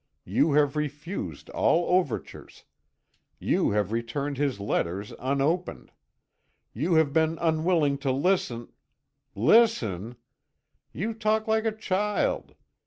You have refused all overtures. You have returned his letters unopened. You have been unwilling to listen " "Listen? You talk like a child.